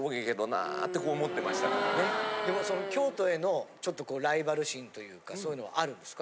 でもその京都へのちょっとこうライバル心というかそういうのはあるんですか？